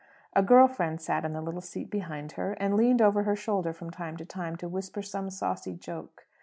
A girl friend sat in the little seat behind her, and leaned over her shoulder from time to time to whisper some saucy joke.